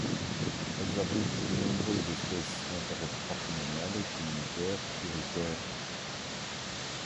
Elles abritent de nombreuses espèces d’intérêts patrimonial et communautaire prioritaire.